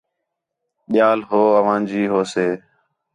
ٻِیال ہو اوانجی ہوسے